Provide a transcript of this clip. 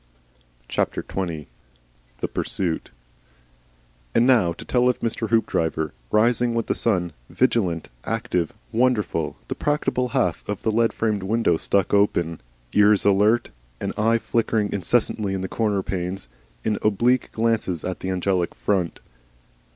XX. THE PURSUIT And now to tell of Mr. Hoopdriver, rising with the sun, vigilant, active, wonderful, the practicable half of the lead framed window stuck open, ears alert, an eye flickering incessantly in the corner panes, in oblique glances at the Angel front.